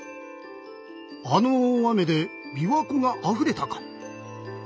あの大雨でびわ湖があふれたか。